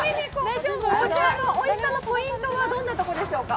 こちらのおいしさのポイントはどこでしょうか？